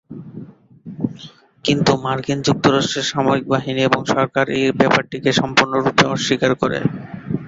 কিন্তু মার্কিন যুক্তরাষ্ট্রের সামরিক বাহিনী এবং সরকার এই ব্যাপারটি সম্পূর্ণরূপে অস্বীকার করে।